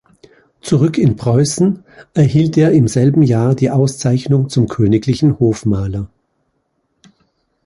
Zurück in Preußen, erhielt er im selben Jahr die Auszeichnung zum königlichen Hofmaler.